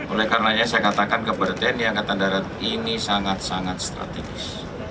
oleh karenanya saya katakan kepada tni angkatan darat ini sangat sangat strategis